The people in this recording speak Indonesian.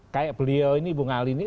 kayak beliau ini ibu ngali ini